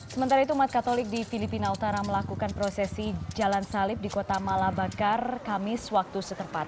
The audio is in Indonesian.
sementara itu umat katolik di filipina utara melakukan prosesi jalan salib di kota malabakar kamis waktu setempat